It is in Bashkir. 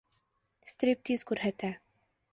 Стриптиз күрһәтә.